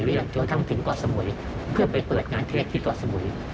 เรื่องจนกระทั่งถึงเกาะสมุยเพื่อไปเปิดงานเทพที่เกาะสมุย